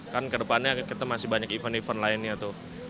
kan kedepannya kita masih banyak event event lainnya tuh